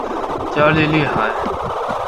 加利利海。